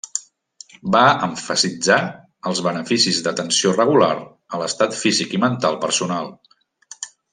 Va emfasitzar els beneficis d'atenció regular a l'estat físic i mental personal.